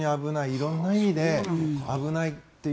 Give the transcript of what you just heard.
色んな意味で危ないという。